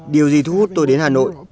điều gì thu hút tôi đến hà nội